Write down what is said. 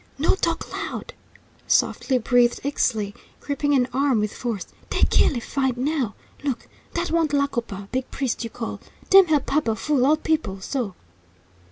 "No talk loud!" softly breathed Ixtli, gripping an arm with force. "Dey kill, if find now. Look, dat one Tlacopa; big priest, you call. DEM help paba fool all people; so!"